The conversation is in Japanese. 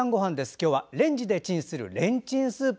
今日はレンジでチンするレンチンスープ。